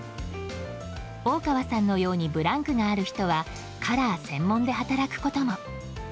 大川さんのようにブランクがある人はカラー専門で働くことも。